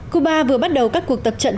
cuba vừa bắt đầu các cuộc tập trận